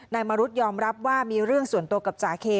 มรุษยอมรับว่ามีเรื่องส่วนตัวกับจ๋าเค